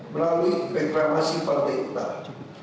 melalui reklamasi partai utara